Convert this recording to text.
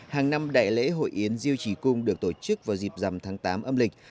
hàng năm đại lễ hội yến diêu trì cung được tổ chức vào dịp dằm tháng tám âm lịch